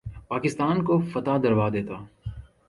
پاکستان کو فتح دلوا دیتا